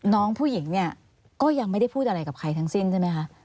น้องผู้หญิงเนี่ยก็ยังไม่ได้พูดอะไรกับใครทั้งสิ้นใช่ไหมคะ